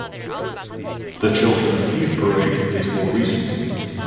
The "Children and Youth Parade" is more recent.